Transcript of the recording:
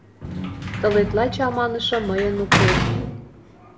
Тылетла чаманыше мыйын уке.